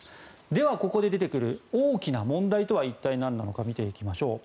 ではここで出てくる大きな問題とは一体何なのか見ていきましょう。